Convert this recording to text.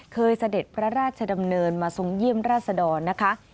เสด็จพระราชดำเนินมาทรงเยี่ยมราชดรนะคะ